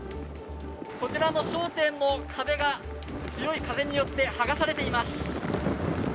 こちらの商店の壁が強い風によってはがされています。